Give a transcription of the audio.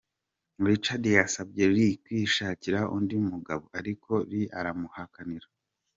Richard yasabye Lea kwishakira undi mugabo, ariko Lea aramuhakanira.